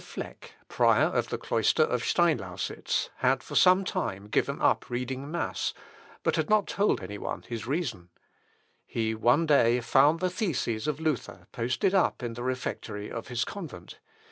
Flek, prior of the cloister of Steinlausitz, had for some time given up reading mass, but had not told any one his reason. He one day found the theses of Luther posted up in the refectory of his convent.